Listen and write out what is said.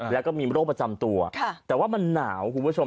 แล้วก็มีโรคประจำตัวแต่ว่ามันหนาวคุณผู้ชม